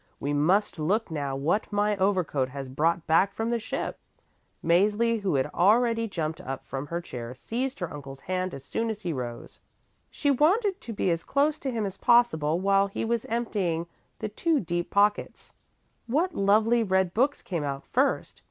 We must look now what my overcoat has brought back from the ship." Mäzli who had already jumped up from her chair seized her uncle's hand as soon as he rose. She wanted to be as close to him as possible while he was emptying the two deep pockets. What lovely red books came out first!